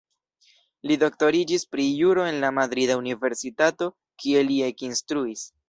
Li doktoriĝis pri Juro en la madrida universitato, kie li ekinstruis.